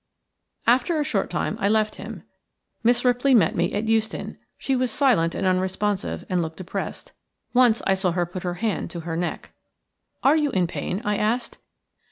After a short time I left him. Miss Ripley met me at Euston. She was silent and unresponsive and looked depressed. Once I saw her put her hand to her neck. "Are you in pain?" I asked.